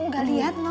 gak liat non